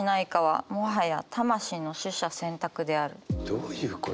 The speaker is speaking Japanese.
どういうこと？